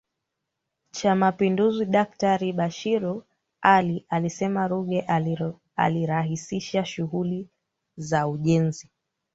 Cha Mapinduzi Daktari Bashiru Ali alisema Ruge alirahisisha shughuli za ujenzi